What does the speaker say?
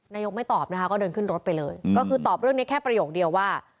นายกไม่ตอบนะคะก็เดินขึ้นรถไปเลยก็คือตอบเรื่องนี้แค่ประโยคเดียวว่า